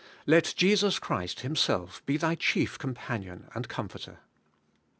Let Jesus Christ Himself be thy chief companion and comforter.